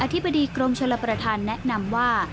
ธิบดีกรมชลประธานแนะนำว่า